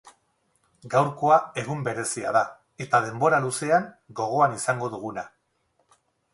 Gaurkoa egun berezia da, eta denbora luzean gogoan izango duguna.